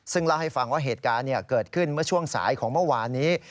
ซึ่งเล่าให้ฟังว่าเหตุการณ์เกิดขึ้นเมื่อช่วงสายของเมื่อวานนี้